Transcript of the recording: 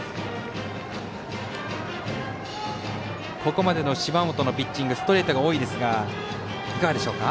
ここまでの芝本のピッチングストレートが多いですがいかがでしょうか。